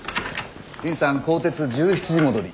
林さん高鐵１７時戻り。